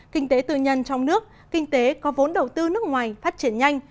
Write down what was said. kinh tế tư nhân trong nước kinh tế có vốn đầu tư nước ngoài phát triển nhanh